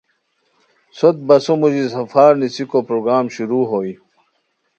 سوت بسو موژی سفر نسیکو پرگرام شروع ہوئے